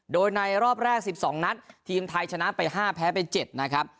โดยในรอบแรก๑๒นัดทีมไทยชนะไป๕แพ้ไป๗นะครับ